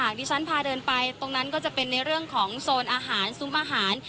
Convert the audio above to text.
ที่ฉันพาเดินไปตรงนั้นก็จะเป็นในเรื่องของโซนอาหารซุ้มอาหาร